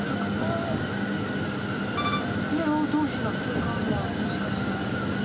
イエロー同士の通過がもしかして。